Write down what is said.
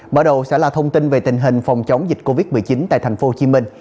mở đầu sẽ là thông tin về tình hình phòng chống dịch covid một mươi chín tại tp hcm